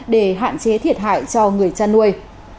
để hạn chế thiệt hại cho người chăn nuôi